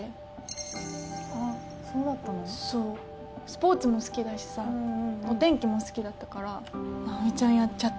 スポーツも好きだしさお天気も好きだったから。